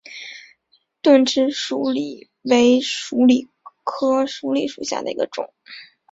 钝齿鼠李为鼠李科鼠李属下的一个种。